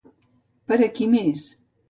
Per a qui més?